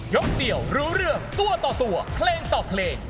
เดียวรู้เรื่องตัวต่อตัวเพลงต่อเพลง